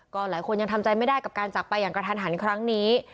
ก็หลายคนยังทำใจไม่ได้กับการจักรไปอย่างกระทันหันครั้งนี้